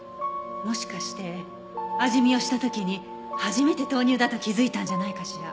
もしかして味見をした時に初めて豆乳だと気づいたんじゃないかしら。